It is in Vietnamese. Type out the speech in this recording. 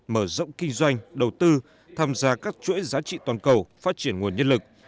mở rộng kinh doanh đầu tư tham gia các chuỗi giá trị toàn cầu phát triển nguồn nhân lực